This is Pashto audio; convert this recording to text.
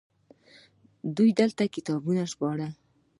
دوی دلته کتابونه ژباړل